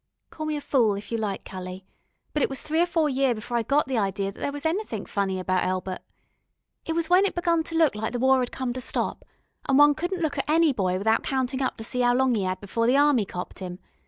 Call me a fool if you like, cully, but it was three or four year before I got the idee that there was anythink funny about Elbert. It was when it begun to look as if the War 'ad come to stop, an' one couldn't look at any boy without countin' up to see 'ow long 'e 'ad before the Army copped 'im.